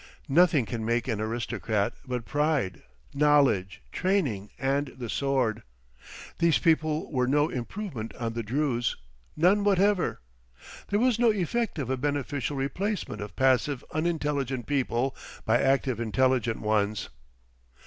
Nothing can make an aristocrat but pride, knowledge, training, and the sword. These people were no improvement on the Drews, none whatever. There was no effect of a beneficial replacement of passive unintelligent people by active intelligent ones.